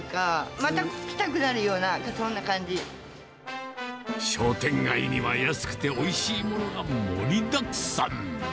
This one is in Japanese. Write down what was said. また来たくなるような、商店街には安くておいしいものが盛りだくさん。